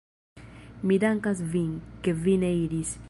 Mi dankas vin, ke vi ne iris!